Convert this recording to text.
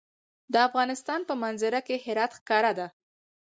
د افغانستان په منظره کې هرات ښکاره ده.